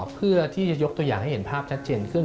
เพื่อที่จะยกตัวอย่างให้เห็นภาพชัดเจนขึ้น